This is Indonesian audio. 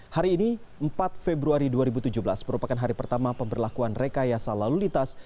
hari ini empat februari dua ribu tujuh belas merupakan hari pertama pemberlakuan rekayasa lalu lintas